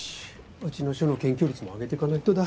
うちの署の検挙率も上げてかないとだ。